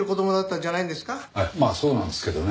はいまあそうなんですけどね。